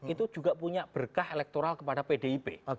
itu juga punya berkah elektoral kepada pdip